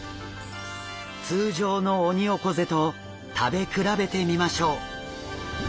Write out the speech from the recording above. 通常のオニオコゼと食べ比べてみましょう。